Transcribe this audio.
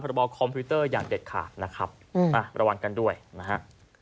บอคอมพิวเตอร์อย่างเด็ดขาดนะครับระวังกันด้วยนะฮะ